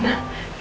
ya pak ya